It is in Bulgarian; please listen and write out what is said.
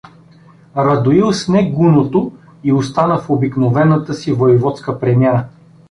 Радоил сне гуното и остана в обикновената си войводска премяна.